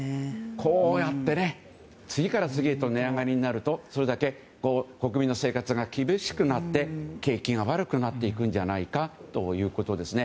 こうやって次から次へと値上がりになるとそれだけ国民の生活が厳しくなって景気が悪くなっていくんじゃないかということです。